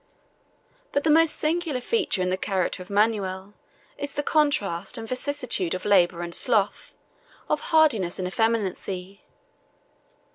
But the most singular feature in the character of Manuel, is the contrast and vicissitude of labor and sloth, of hardiness and effeminacy.